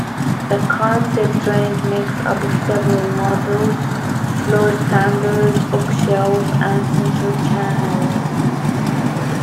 The Concept range makes up of several models Floorstanders, Bookshelf and Centre Channels.